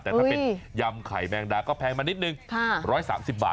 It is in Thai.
แต่ถ้าเป็นยำไข่แมงดาก็แพงมานิดนึง๑๓๐บาท